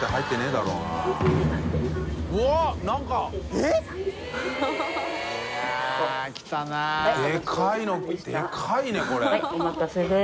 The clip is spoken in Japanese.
でかいねこれ。